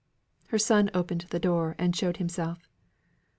Her son opened the door, and showed himself.